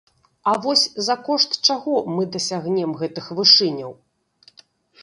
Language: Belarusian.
А вось за кошт чаго мы дасягнем гэтых вышыняў?